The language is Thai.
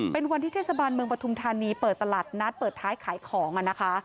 เป็นวันที่เทศบาลเมืองปฐุมธานีเปิดตลาดนัดเปิดท้ายขายของนะคะ